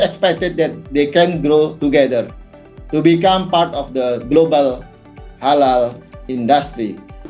kita mengharapkan mereka bisa berkembang bersama sama untuk menjadi bagian dari industri halal global